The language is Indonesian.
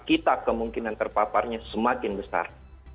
kita kemungkinan terpaparnya semakin besar